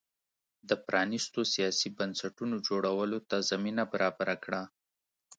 د پرانیستو سیاسي بنسټونو جوړولو ته زمینه برابره کړه.